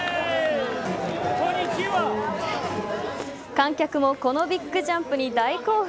観客もこのビッグジャンプに大興奮。